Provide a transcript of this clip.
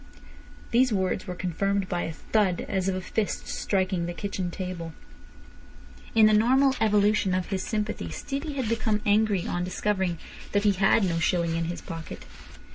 These words were confirmed by a thud as of a fist striking the kitchen table. In the normal evolution of his sympathy Stevie had become angry on discovering that he had no shilling in his pocket.